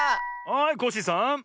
はいコッシーさん。